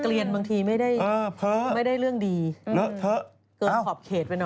เกิดขอบเขตไปหน่อย